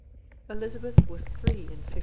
Elizabeth was three in 1536.